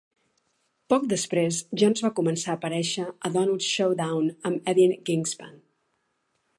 Poc després, Jones va començar a aparèixer a Donut Showdown amb Edin Grinshpan.